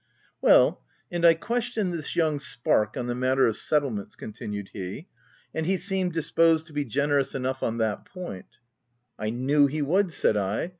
" Well, and I questioned this young spark on the matter of settlements," continued he ;" and he seemed disposed to be generous enough on that point —"" I knew he would !" said I.